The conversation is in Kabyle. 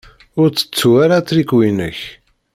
Ur tettu ara atriku-inek.